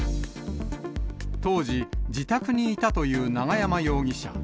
当時、自宅にいたという永山容疑者。